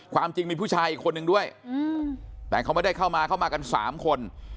ความจริงมีผู้ชายอีกคนนึงด้วยแต่เขาไม่ได้เข้ามาเข้ามากัน๓คน